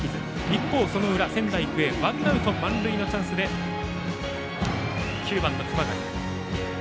一方、その裏仙台育英はワンアウト、満塁のチャンスで９番の濱田。